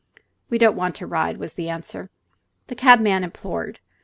"We don't want to ride," was the answer. The cabman implored.